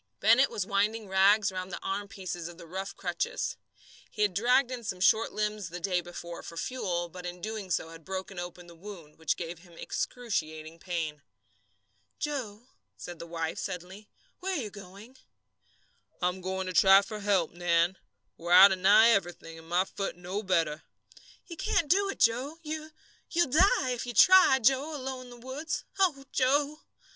Bennett was winding rags round the armpieces of the rough crutches. He had dragged in some short limbs the day before for fuel, but in so doing had broken open the wound, which gave him excruciating pain. "Joe," said his wife, suddenly, "where are you going?" "I'm going to try for help, Nan. We're out of nigh everything, and my foot no better." "You can't do it, Joe. You you'll die, if you try, Joe, alone in the woods. Oh, Joe!"